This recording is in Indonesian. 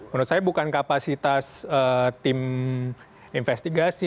menurut saya bukan kapasitas tim investigasi